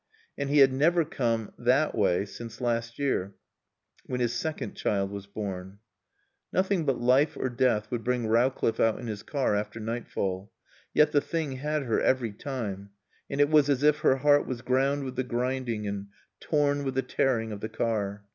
And he had never come ("that way") since last year, when his second child was born. Nothing but life or death would bring Rowcliffe out in his car after nightfall. Yet the thing had her every time. And it was as if her heart was ground with the grinding and torn with the tearing of the car.